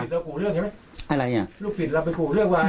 ลูกศิษย์เรากูเรื่องใช่ไหมลูกศิษย์เราไปกูเรื่องว่าไง